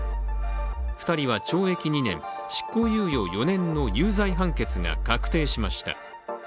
２人は懲役２年、執行猶予４年の有罪判決が確定しました。